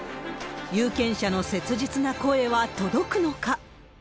有権者の切実な声は届くのか。